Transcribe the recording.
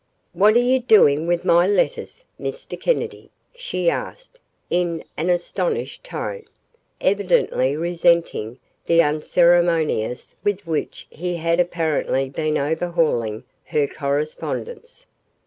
"What are you doing with my letters, Mr. Kennedy?" she asked, in an astonished tone, evidently resenting the unceremoniousness with which he had apparently been overhauling her correspondence.